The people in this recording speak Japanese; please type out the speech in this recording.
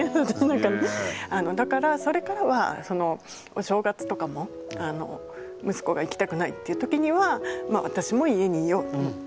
だからそれからはお正月とかも息子が行きたくないっていう時には私も家にいようと思って。